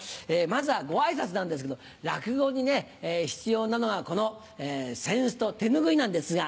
まずはご挨拶なんですけど落語に必要なのはこの扇子と手拭いなんですが。